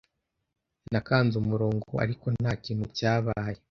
Nakanze umurongo, ariko ntakintu cyabaye.